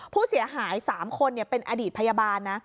ผู้เสียหาย๓คนเป็นอดีตพยาบาลนะ